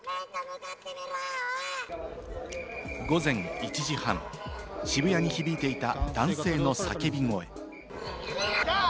午前１時半、渋谷に響いていた男性の叫び声。